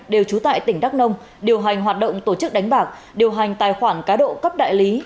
đều trú tại tỉnh đắk nông điều hành hoạt động tổ chức đánh bạc điều hành tài khoản cá độ cấp đại lý